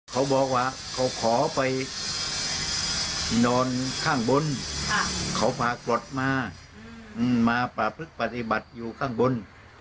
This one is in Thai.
เขาบอกว่าเขาขอไปนอนข้างบนเขาพากรดมามาประพฤกษปฏิบัติอยู่ข้างบน